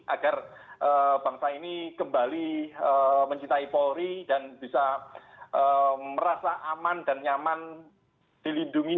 agar bangsa ini kembali mencintai polri dan bisa merasa aman dan nyaman dilindungi